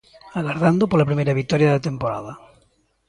Agardando pola primeira vitoria da temporada.